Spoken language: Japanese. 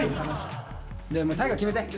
大我決めて。